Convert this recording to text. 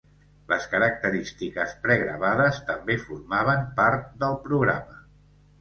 Les característiques pregravades també formaven part del programa.